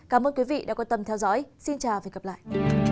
cảm ơn quý vị đã quan tâm theo dõi xin chào và hẹn gặp lại